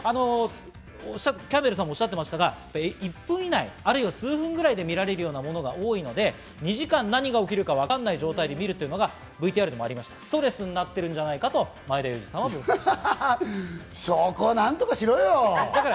キャンベルさんもおっしゃっていましたが１分以内、或いは数分ぐらいで見られるようなものが多いので、２時間何が起きるかわからない状態で見るというのがストレスになっているんじゃないかと前田さんはそこは何とかしろよ。